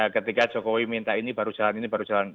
ketika jokowi minta ini baru jalan ini baru jalan